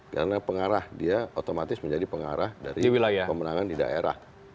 karena pengarah dia otomatis menjadi pengarah dari pemenangan di daerah